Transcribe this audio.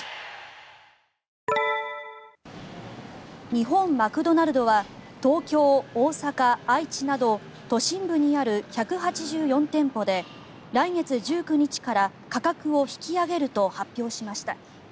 日本マクドナルドは東京、大阪、愛知など都心部にある１８４店舗で来月１９日から価格を引き上げると発表しました。